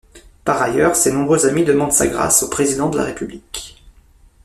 Par ailleurs, ses nombreux amis demandent sa grâce au président de la République.